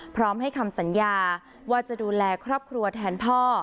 พร้อมให้คำสัญญาว่าจะดูแลครอบครัวแทนพ่อ